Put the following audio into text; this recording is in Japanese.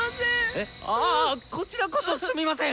えっああっこちらこそすみません！